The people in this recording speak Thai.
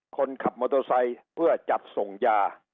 คนขับมอเตอร์ไซค์เพื่อจัดส่งยา